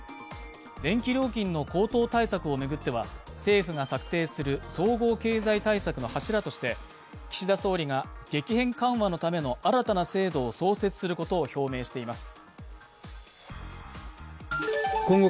電気料金の高騰対策を巡っては、政府が策定する総合経済対策の柱として、岸田総理が激変緩和措置のための新たな制度を創設することを表明しています。